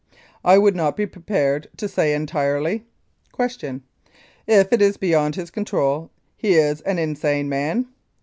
I would not be prepared to say entirely. Q. If it is beyond his control he is an insane man?